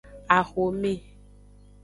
Axome.